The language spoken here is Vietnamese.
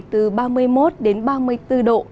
từ ba mươi một ba mươi bốn độ